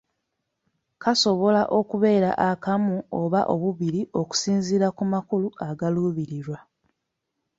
Kasobola okubeera akamu oba obubiri, okusinziira ku makulu agaluubirirwa.